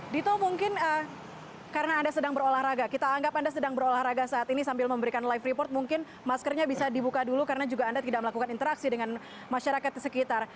dito mungkin karena anda sedang berolahraga kita anggap anda sedang berolahraga saat ini sambil memberikan live report mungkin maskernya bisa dibuka dulu karena juga anda tidak melakukan interaksi dengan masyarakat di sekitar